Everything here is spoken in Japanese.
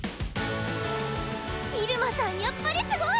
イルマさんやっぱりすごい！